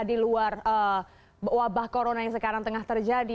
diluar wabah corona yang sekarang tengah terjadi